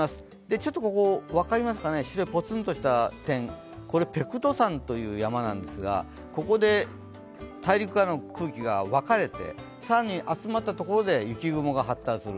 ちょっとここ分かりますかね、白いポツンとした点、これ、ペクトゥ山という山なんですが、ここで大陸からの空気が分かれて更に集まったところで雪雲が発達する。